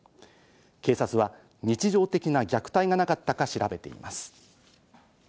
警察は日常的な虐待がなかったか調べています。